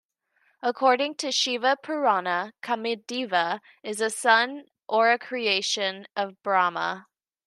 According to Shiva Purana, Kamadeva is a son or a creation of Brahma.